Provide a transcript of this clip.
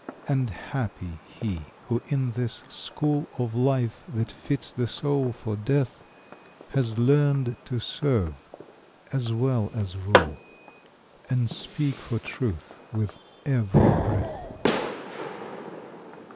And happy he who in this school Of life, that fits the soul for death, Has learned to serve as well as rule, And speak for truth with every breath.